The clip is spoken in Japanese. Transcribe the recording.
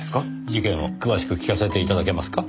事件を詳しく聞かせて頂けますか？